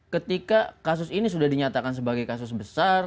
ketika kasus ini sudah dinyatakan sebagai kasus besar